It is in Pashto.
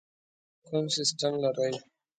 کوم سیسټم لرئ؟